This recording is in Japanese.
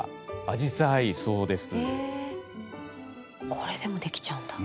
これでもできちゃうんだ。